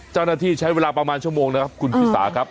เจ้าหน้าที่ใช้เวลาประมาณชั่วโมงนะครับคุณชิสาครับ